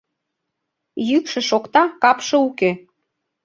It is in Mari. Йӱкшӧ шокта, капше уке.